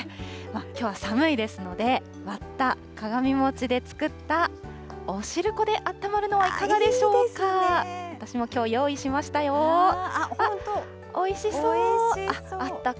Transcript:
きょうは寒いですので、割った鏡餅で作ったおしるこであったまるのはいかがでしょうか。